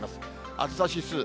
暑さ指数。